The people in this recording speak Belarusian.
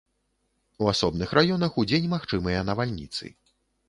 У асобных раёнах удзень магчымыя навальніцы.